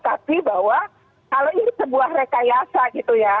tapi bahwa kalau ini sebuah rekayasa gitu ya